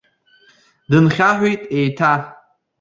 Дынхьаҳәит еиҭа.